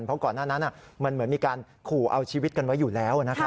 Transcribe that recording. เพราะก่อนหน้านั้นมันเหมือนมีการขู่เอาชีวิตกันไว้อยู่แล้วนะครับ